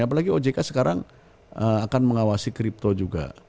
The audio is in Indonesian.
apalagi ojk sekarang akan mengawasi kripto juga